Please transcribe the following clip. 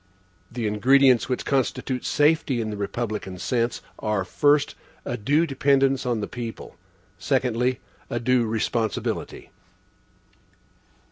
The ingredients which constitute safety in the republican sense are, first, a due dependence on the people, secondly, a due responsibility.